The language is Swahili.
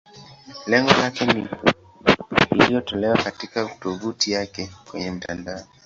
Lengo lake ni iliyotolewa katika tovuti yake kwenye mtandao.